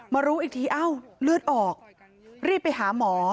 รู้อีกทีเอ้าเลือดออกรีบไปหาหมอ